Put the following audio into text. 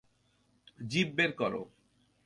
Jeep বের কর।